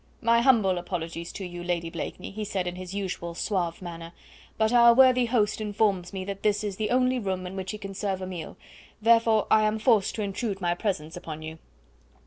"My humble apologies to you, Lady Blakeney," he said in his usual suave manner, "but our worthy host informs me that this is the only room in which he can serve a meal. Therefore I am forced to intrude my presence upon you."